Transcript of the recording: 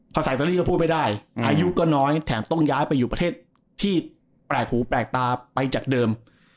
พอสายตารีก็พูดไม่ได้อายุก็น้อยแถมต้องย้ายไปอยู่ประเทศที่แปลกหูแปลกตาไปจากเดิม